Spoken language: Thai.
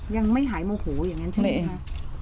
ยังไม่หายโมโหอย่างนั้นใช่ไหมคะ